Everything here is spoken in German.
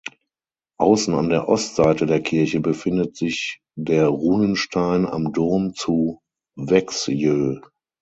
Außen an der Ostseite der Kirche befindet sich der Runenstein am Dom zu Växjö.